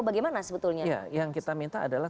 bagaimana sebetulnya yang kita minta adalah